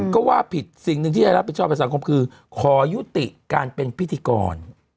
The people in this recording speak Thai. ก็ว่าผิดสิ่งหนึ่งที่จะรับผิดชอบกับสังคมคือขอยุติการเป็นพิธีกร